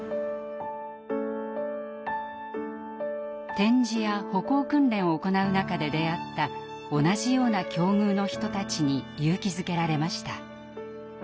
点字や歩行訓練を行う中で出会った同じような境遇の人たちに勇気づけられました。